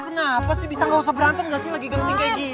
kenapa sih bisa nggak usah berantem gak sih lagi genting kayak gini